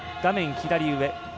左上